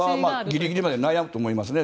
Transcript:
ギリギリまで悩むと思いますね。